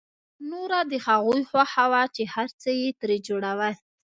نوره د هغوی خوښه وه چې هر څه یې ترې جوړول